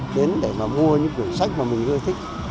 đến để mà mua những kiểu sách mà mình hơi thích